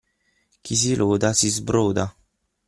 Chi si loda si sbroda.